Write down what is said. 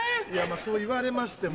そう言われましても。